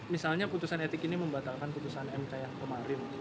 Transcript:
misalnya putusan etik ini membatalkan putusan mk yang kemarin